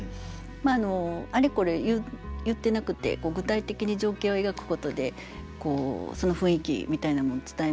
あれこれ言ってなくて具体的に情景を描くことでその雰囲気みたいなのも伝えますし